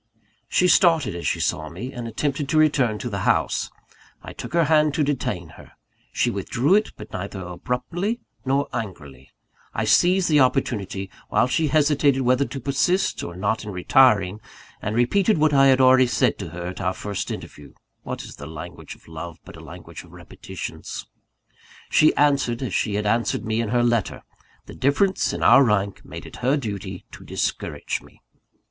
She started as she saw me, and attempted to return to the house. I took her hand to detain her. She withdrew it, but neither abruptly nor angrily. I seized the opportunity, while she hesitated whether to persist or not in retiring; and repeated what I had already said to her at our first interview (what is the language of love but a language of repetitions?). She answered, as she had answered me in her letter: the difference in our rank made it her duty to discourage me.